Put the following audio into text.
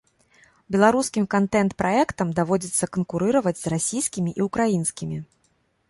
Беларускім кантэнт-праектам даводзіцца канкурыраваць з расійскімі і ўкраінскімі.